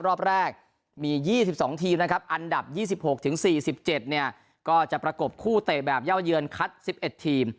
รอบแรกมี๒๒ทีมนะครับอันดับ๒๖๔๗เนี่ยก็จะประกบคู่เตะแบบเย่าเยือนคัด๑๑ทีม